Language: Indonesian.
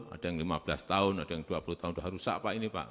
ada yang lima belas tahun ada yang dua puluh tahun sudah rusak pak ini pak